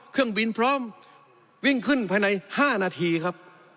เครื่องบินพร้อมวิ่งขึ้นภายใน๕นาทีครับ